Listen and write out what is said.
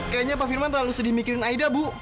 kayaknya pak firman terlalu sedih mikirin aida bu